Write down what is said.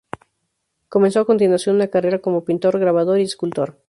Comenzó a continuación una carrera como pintor, grabador y escultor.